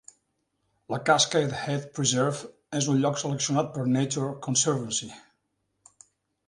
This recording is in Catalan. La Cascade Head Preserve és un lloc seleccionat per Nature Conservancy.